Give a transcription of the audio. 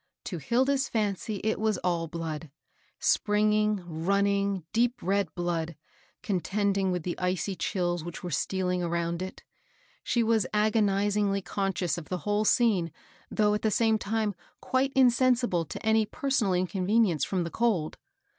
To Hilda's fancy it was all blood, — springing, running, deep red blood, contending with the icy chills which were stealing around it. She was agonizingly con scious of the whole scene, though at the same time quite insensible to any personal inconvenience from the cold.